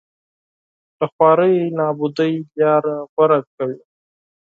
له خوارۍ نابودۍ لاره غوره کوي